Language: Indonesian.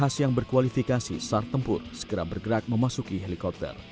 segera bergerak memasuki helikopter